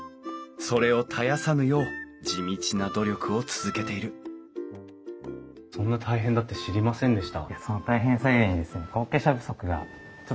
それを絶やさぬよう地道な努力を続けているそんな大変だって知りませんでした。